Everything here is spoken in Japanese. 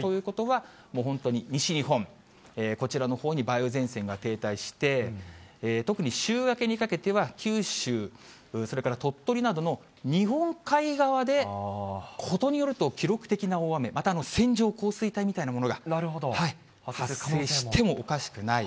ということは、もう本当に西日本、こちらのほうに梅雨前線が停滞して、特に週明けにかけては、九州、それから鳥取などの日本海側で、ことによると、記録的な大雨、また線状降水帯みたいなものが発生してもおかしくない。